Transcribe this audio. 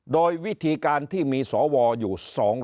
โดยวิธีการที่มีสวอยู่